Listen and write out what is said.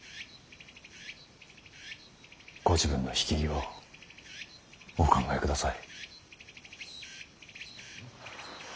ご自分の引き際をお考えください。